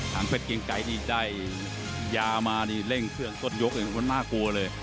ทางเพศเกียงไกรที่ได้ยามาเร่งเครื่องต้นยกน่ากลัวเลย